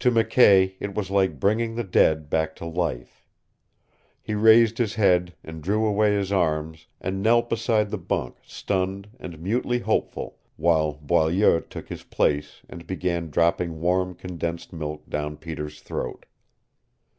To McKay it was like bringing the dead back to life. He raised his head and drew away his arms and knelt beside the bunk stunned and mutely hopeful while Boileau took his place and began dropping warm condensed milk down Peter's throat.